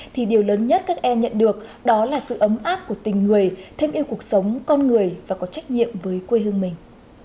thì điều lớn nhất các em nhận được đó là sự ấm áp của tình người thêm yêu cuộc sống con người và có trách nhiệm với quê hương mình